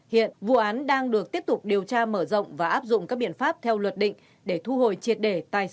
hiện vụ án đang được tiếp tục điều tra mở rộng và áp dụng các biện pháp theo luật định để thu hồi triệt đề tài sản